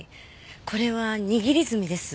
これは握り墨です。